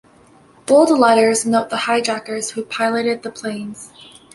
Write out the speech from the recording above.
Bold letters note the hijackers who piloted the planes.